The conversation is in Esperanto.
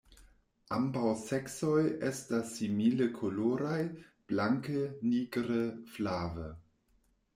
Ambaŭ seksoj estas simile koloraj, blanke, nigre, flave.